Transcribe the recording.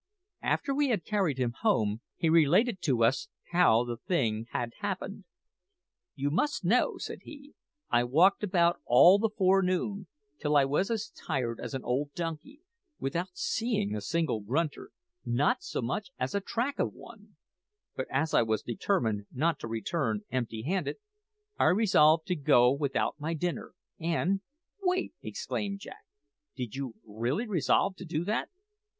After we had carried him home, he related to us how the thing had happened. "You must know," said he, "I walked about all the forenoon, till I was as tired as an old donkey, without seeing a single grunter not so much as a track of one; but as I was determined not to return empty handed, I resolved to go without my dinner, and " "What!" exclaimed Jack, "did you really resolve to do that?"